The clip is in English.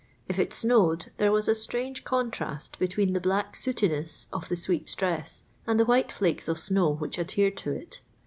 If it snowcjl, there was a strange contrast between the black sootincss of the sweeper's dress and the white flakes of snow which adhered to it.